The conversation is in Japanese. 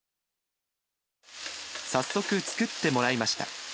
早速作ってもらいました。